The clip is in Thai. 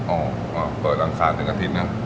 โอ้อ้อเปิดหลังสามถึงอาทิตย์เนอะ